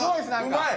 うまい！